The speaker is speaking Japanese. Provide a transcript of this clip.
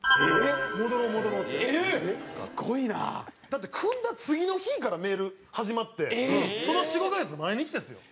だって組んだ次の日からメール始まってその４５カ月毎日ですよ。